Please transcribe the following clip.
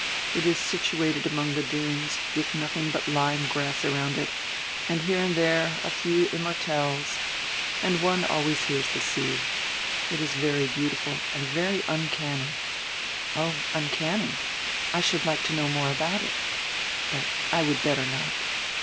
It is situated among die dunes, widi nothing but lyme grass around it, and here and diere a few immortelles, and one always hears the sea. It is very beautiful and very uncanny." "Oh, uncanny? I should like to know more about it. But I would better not.